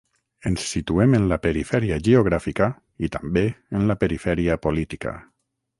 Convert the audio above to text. Ens situem en la perifèria geogràfica i també en la perifèria política.